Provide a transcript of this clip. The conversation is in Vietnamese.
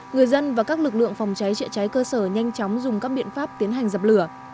người dân và các lực lượng phòng cháy chữa cháy cơ sở nhanh chóng dùng các biện pháp tiến hành dập lửa